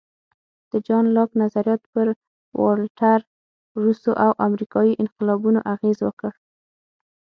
د جان لاک نظریات پر والټر، روسو او امریکایي انقلابیانو اغېز وکړ.